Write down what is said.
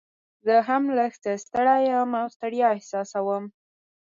زه هم لږ څه ستړی یم او ستړیا احساسوم.